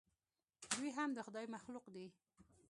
دوى هم د خداى مخلوق دي.